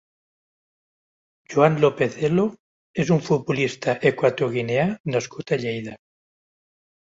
Joan López Elo és un futbolista equatoguineà nascut a Lleida.